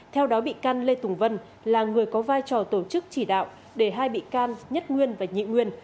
theo đó bị can lê tùng vân là người có vai trò tổ chức chỉ đạo để hai bị can nhất nguyên và nhị nguyên